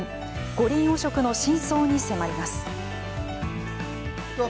五輪汚職の深層に迫ります。